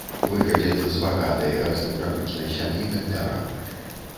Выхадзец з багатай арыстакратычнай сям'і гандляра.